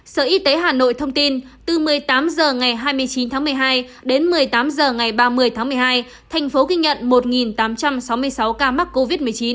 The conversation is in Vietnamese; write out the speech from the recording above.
sở y tế hà nội thông tin từ một mươi tám h ngày hai mươi chín tháng một mươi hai đến một mươi tám h ngày ba mươi tháng một mươi hai thành phố ghi nhận một tám trăm sáu mươi sáu ca mắc covid một mươi chín